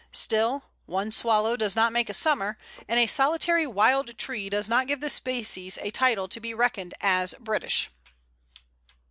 Still, "one swallow does not make a summer," and a solitary wild tree does not give the species a title to be reckoned as British.